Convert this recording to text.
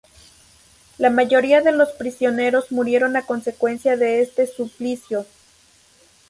La mayoría de los prisioneros murieron a consecuencia de este suplicio.